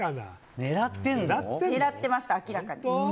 狙ってました、明らかに。